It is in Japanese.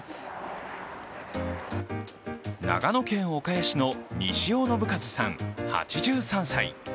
長野県岡谷市の西尾信一さん８３歳。